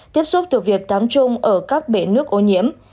tiếp xúc từ việc tám trung ở các bể nước ô nhiễm